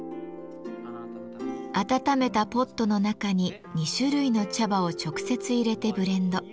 温めたポットの中に２種類の茶葉を直接入れてブレンド。